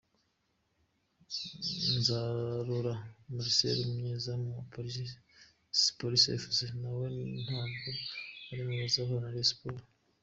Nzarora Marcel umunyezamu wa Police Fc nawe ntabwo ari mu bazahura na Rayon Sports.